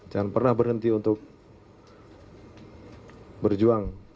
jangan pernah berhenti untuk berjuang